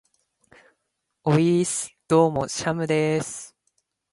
ｵｨｨｨｨｨｨｯｽ!どうもー、シャムでーす。